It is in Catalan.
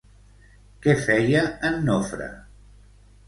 Què feia en Nofre?